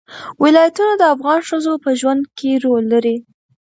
ولایتونه د افغان ښځو په ژوند کې رول لري.